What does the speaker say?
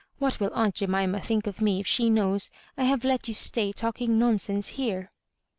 What will aunt Jemima think of me if she knows I have let you stay talking nonsense here